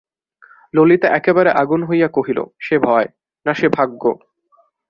ললিতা একেবারে আগুন হইয়া কহিল, সে ভয়, না সে ভাগ্য!